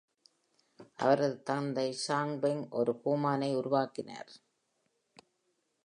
அவரது தந்தை Zhang Feng ஒரு கோமானை உருவாக்கினார் .